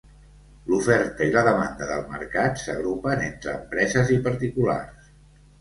L'oferta i la demanda del mercat s'agrupen entre empreses i particulars.